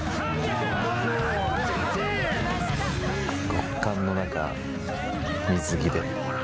極寒の中水着で。